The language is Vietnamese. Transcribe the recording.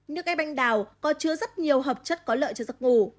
nước ép anh đào có chứa rất nhiều hợp chất có lợi cho giấc ngủ